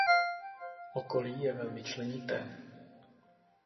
Okolí je velmi členité.